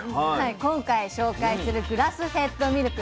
今回紹介するグラスフェッドミルク